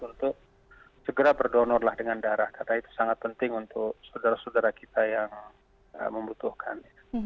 untuk segera berdonorlah dengan darah karena itu sangat penting untuk saudara saudara kita yang membutuhkan